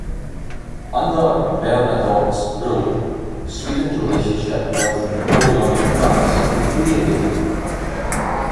Under Bernadotte's rule, Sweden's relationship with Napoleonic France deteriorated.